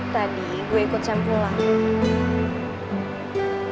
tadi gue ikut sam pulang